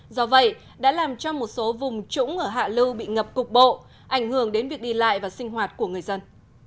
do vậy đã làm cho một số vùng trũng ở hạ lưu bị ngập cục bộ ảnh hưởng đến việc đi lại và sinh hoạt của người dân